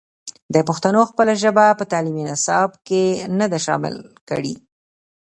پښتنو خپله ژبه په تعلیمي نصاب کې نه ده شامل کړې.